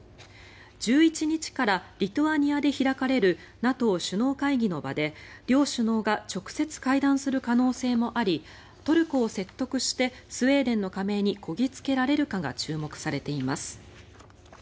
１１日からリトアニアで開かれるＮＡＴＯ首脳会議の場で両首脳が直接会談する可能性もありトルコを説得してスウェーデンの加盟にこぎ着けられるかが注目されています。